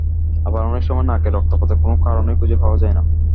আবার অনেক সময় নাকের রক্তপাতের কোনো কারণই খুঁজে পাওয়া যায় না।